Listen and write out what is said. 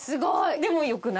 でもよくない？